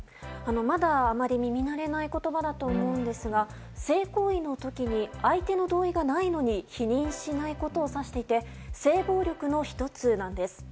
まだあまり耳慣れない言葉だと思うんですが性行為の時に相手の同意がないのに避妊しないことを指してて性暴力の１つなんです。